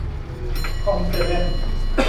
คอมเซเว่น